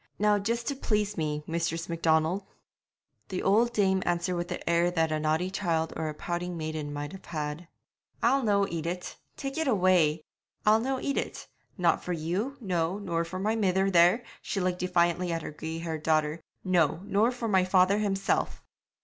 'Now just to please me, Mistress Macdonald.' The old dame answered with the air that a naughty child or a pouting maiden might have had. 'I'll no eat it tak' it away! I'll no eat it. Not for you, no nor for my mither there' she looked defiantly at her grey haired daughter 'no, nor for my father himself!'